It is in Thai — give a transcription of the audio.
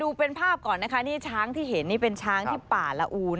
ดูเป็นภาพก่อนนะคะนี่ช้างที่เห็นนี่เป็นช้างที่ป่าละอู